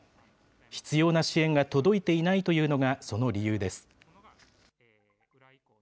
必要な支援が届いていないというのがその理由です。